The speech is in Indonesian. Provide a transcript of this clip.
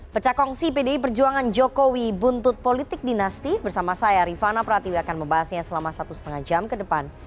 pecah kongsi pdi perjuangan jokowi buntut politik dinasti bersama saya rifana pratiwi akan membahasnya selama satu lima jam ke depan